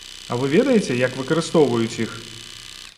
А вы ведаеце, як выкарыстоўваюць іх?